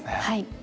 はい。